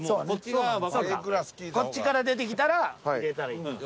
こっちから出てきたら入れたらいいんや。